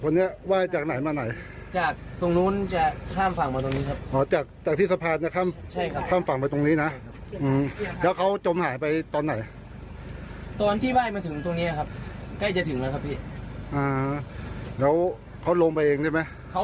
แล้วทีนี้ตะคิวก็ขึ้นผมด้วยครับ